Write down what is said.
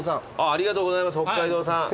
ありがとうございます北海道産。